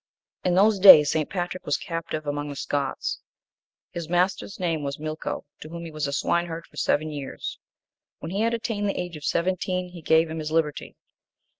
In those days Saint Patrick was captive among the Scots. His master's name was Milcho, to whom he was a swineherd for seven years. When he had attained the age of seventeen he gave him his liberty.